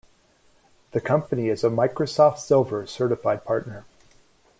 The company is a Microsoft Silver Certified Partner.